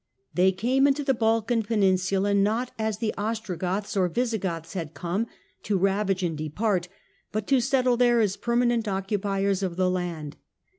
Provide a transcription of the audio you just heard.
They came into the Balkan Peninsula, not as the Ostrogoths or Visigoths had come, to ravage and depart, but to settle there as per manent occupiers of the land.